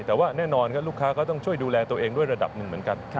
แต่ว่าแน่นอนครับลูกค้าก็ต้องช่วยดูแลตัวเองด้วยระดับหนึ่งเหมือนกัน